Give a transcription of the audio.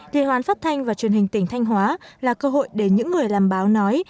thì hoàn phát thanh và truyền hình tỉnh thanh hóa là cơ hội để những người làm báo nói